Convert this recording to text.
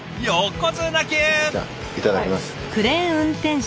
いただきます。